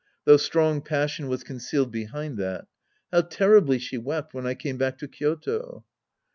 Though strong passion was concealed behind that. How terribly she wept when I came back to Kyoto